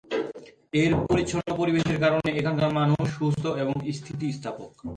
এর পরিচ্ছন্ন পরিবেশের কারণে এখানকার মানুষ সুস্থ এবং স্থিতিস্থাপক।